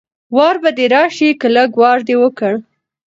وار به دې راشي که لږ وار دې وکړ